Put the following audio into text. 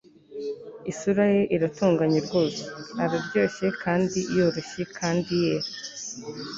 Isura ye iratunganye rwose araryoshye kandi yoroshye kandi yera